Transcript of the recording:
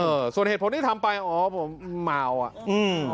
เออส่วนเหตุผลที่ทำไปอ๋อผมเมาอ่ะอืม